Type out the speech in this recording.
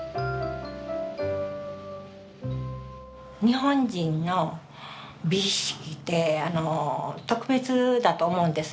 日本人の美意識って特別だと思うんですね。